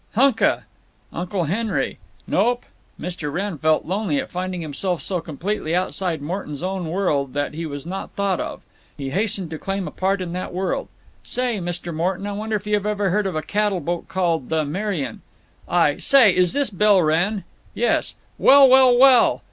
"Hunka." "Uncle Henry?" "Nope." Mr. Wrenn felt lonely at finding himself so completely outside Morton's own world that he was not thought of. He hastened to claim a part in that world: "Say, Mr. Morton, I wonder if you've ever heard of a cattle boat called the Merian?" "I—Say! Is this Bill Wrenn?" "Yes." "Well, well, well!